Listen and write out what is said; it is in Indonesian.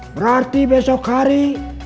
berarti besok hari